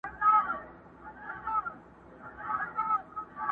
ګوره یو څه درته وایم دا تحلیل دي ډېر نا سم دی،